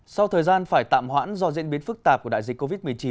sau thời gian phải tạm hoãn do diễn biến phức tạp của đại dịch covid một mươi chín